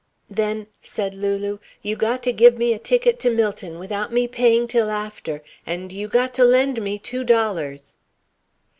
"Then," said Lulu, "you got to give me a ticket to Millton, without me paying till after and you got to lend me two dollars."